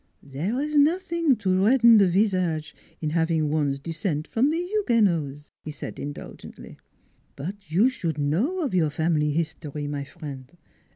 ." There is nothing to redden the visage in hav ing one's descent from the Huguenots," he said indulgently. " But you should know of your family history, my friend.